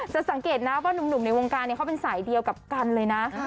สังเกตนะว่านุ่มในวงการเขาเป็นสายเดียวกับกันเลยนะ